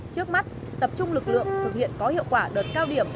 trước mắt tập trung lực lượng thực hiện có hiệu quả đợt cao điểm